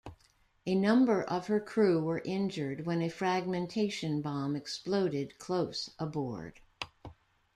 A number of her crew were injured when a fragmentation bomb exploded close aboard.